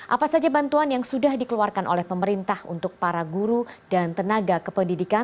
apa saja bantuan yang sudah dikeluarkan oleh pemerintah untuk para guru dan tenaga kependidikan